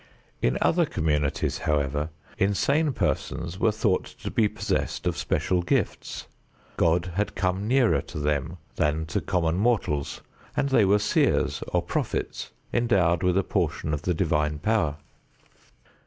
In other communities, however, insane persons were thought to be possessed of special gifts. God had come nearer to them than to common mortals, and they were seers or prophets endowed with a portion of the divine power.